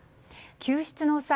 救出の際